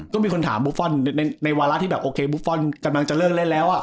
ก็มีคนถามบุฟฟอลในวาระที่แบบโอเคบุฟฟอลกำลังจะเลิกเล่นแล้ว